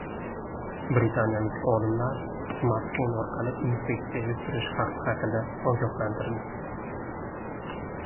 Britaniyalik olimlar smartfon orqali infeksiya yuqtirish xavfi haqida ogohlantirdi